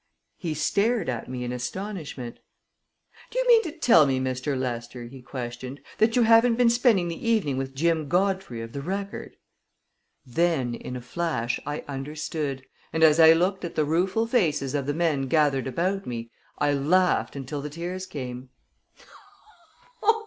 He stared at me in astonishment. "Do you mean to tell me, Mr. Lester," he questioned, "that you haven't been spending the evening with Jim Godfrey, of the Record?" Then, in a flash, I understood, and as I looked at the rueful faces of the men gathered about me, I laughed until the tears came.